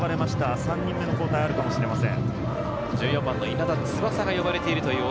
３人目の交代があるかもしれません。